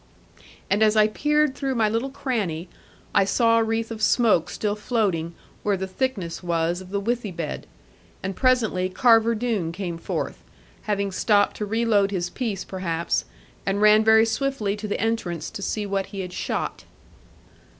And as I peered through my little cranny, I saw a wreath of smoke still floating where the thickness was of the withy bed; and presently Carver Doone came forth, having stopped to reload his piece perhaps, and ran very swiftly to the entrance to see what he had shot.